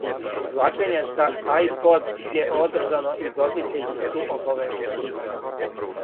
Извлачење за иПод је одржано и добитници су обавијештени.